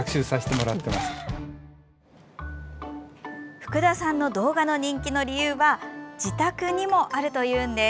福田さんの動画の人気の理由は自宅にもあるというんです。